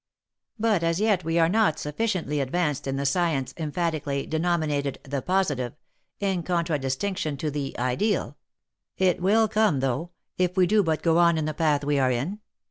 But as yet we are not sufficiently advanced in the science emphatically deno minated " the positive" in contradistinction to " the ideal." It will come though, if we do but go on in the path we are in.